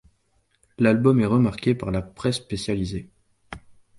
L'album est remarqué par la presse spécialisée.